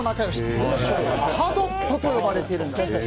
通称、母ドットと呼ばれているそうです。